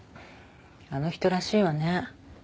あの人らしいわね。